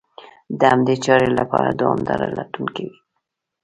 د همدې چارې لپاره دوامداره لټون کوي.